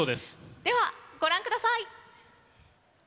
ではご覧ください。